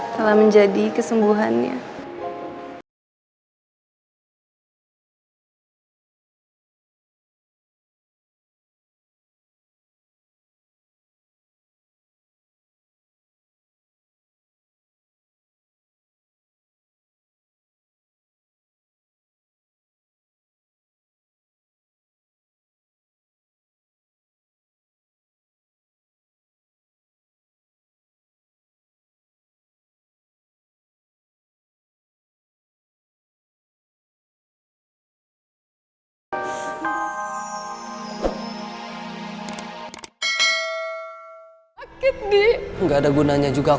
telah menjadi kesembuhannya